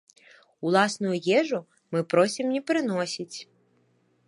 Уласную ежу мы просім не прыносіць.